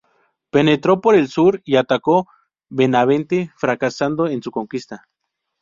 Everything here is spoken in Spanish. Penetró por el sur y atacó Benavente, fracasando en su conquista.